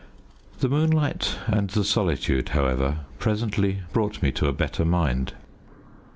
The moonlight and the solitude, however, presently brought me to a better mind.